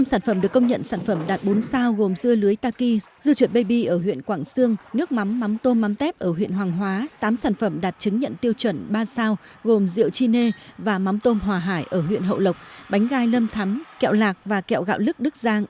năm sản phẩm được công nhận sản phẩm đạt bốn sao gồm dưa lưới taki dưa chuột baby ở huyện quảng sương nước mắm mắm tôm mắm tép ở huyện hoàng hóa tám sản phẩm đạt chứng nhận tiêu chuẩn ba sao gồm rượu chine và mắm tôm hòa hải ở huyện hậu lộc